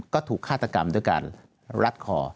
ก็ถูกฆาตกรรมด้วยการรัดคอ